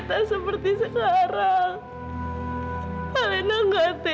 dan semua seluruh men sea ada di dalam enquanto di timial israel agar kita bisa starts